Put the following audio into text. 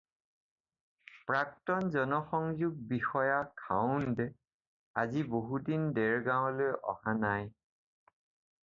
প্ৰাক্তন জনসংযোগ বিষয়া খাউণ্ড আজি বহুত দিন দেৰগাঁৱলৈ অহা নাই।